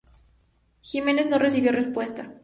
Ximenes no recibió respuesta.